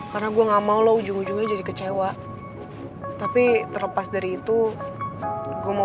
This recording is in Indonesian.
karena gua gak mau lo ujung ujungnya jadi kecewa tapi terlepas dari itu gua mau